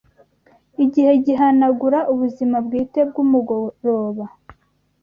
Igihe gihanagura ubuzima bwite bwumugoroba